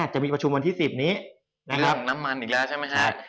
จะมีประชุมวันที่๑๐นี้ในเรื่องของน้ำมันอีกแล้วใช่ไหมครับ